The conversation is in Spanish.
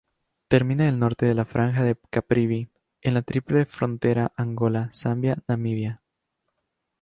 Termina el norte de la franja de Caprivi, en la triple frontera Angola-Zambia-Namibia.